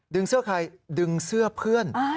เสื้อใครดึงเสื้อเพื่อน